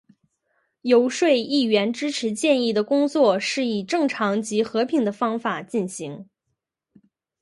游说议员支持建议的工作是以正常及和平的方法进行。